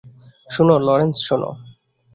শোনো, লরেন্স, শোনো!